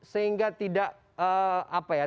sehingga tidak apa ya